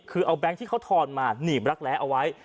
คือเอาแก๊งที่เขาทอนมาหนีบรักแร้เอาไว้